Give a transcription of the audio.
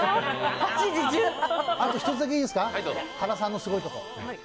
あと１つだけいいですか、原さんのすごいところ。